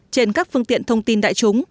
trên các phương tiện thông tin đại chúng